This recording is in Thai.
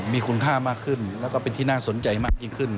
มีคุณค่ามากขึ้นแล้วก็เป็นที่น่าสนใจมากยิ่งขึ้น